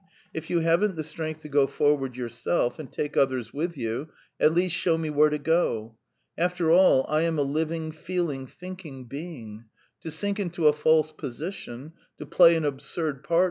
If you haven't the strength to go forward yourself and take others with you, at least show me where to go. After all, I am a living, feeling, thinking being. To sink into a false position ... to play an absurd part .